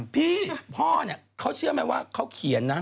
พี่พ่อเนี่ยเขาเชื่อไหมว่าเขาเขียนนะ